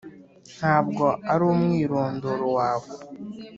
ntabwo uri umwirondoro wawe,